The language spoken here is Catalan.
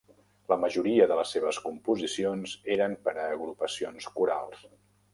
La majoria de les seves composicions eren per a agrupacions corals.